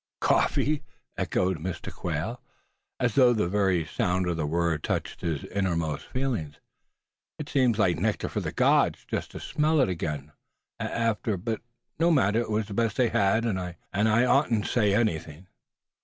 "Coffee!" echoed Mr. Quail, as though the very sound of the word touched his inmost feelings; "it'll seem like nectar for the gods just to smell it again, after but no matter, it was the best they had, and I oughtn't to say anything."